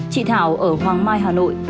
chị thảo ở hoàng mai hà nội